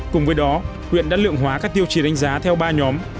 cùng với đó huyện đã lượng hóa các tiêu chí đánh giá theo ba nhóm